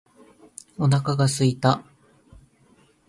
お腹が空いた